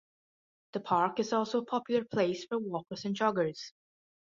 The park is also a popular place for walkers and joggers.